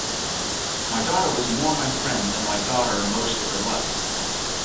My daughter was more my friend than my daughter most of her life.